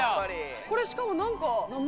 これしかも何か名前？